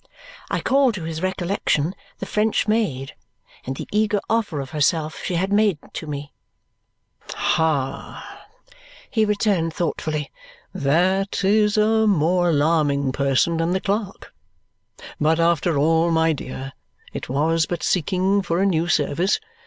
I called to his recollection the French maid and the eager offer of herself she had made to me. "Ha!" he returned thoughtfully. "That is a more alarming person than the clerk. But after all, my dear, it was but seeking for a new service.